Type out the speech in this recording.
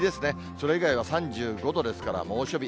それ以外は３５度ですから、猛暑日。